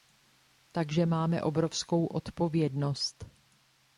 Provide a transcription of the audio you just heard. Takže máme obrovskou odpovědnost.